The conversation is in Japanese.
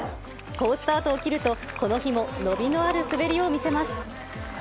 好スタートを切ると、この日も伸びのある滑りを見せます。